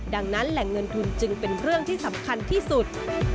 ดังนั้นแหล่งเงินทุนจึงเป็นเรื่องที่สำคัญที่สุด